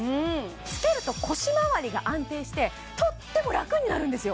着けると腰まわりが安定してとってもラクになるんですよ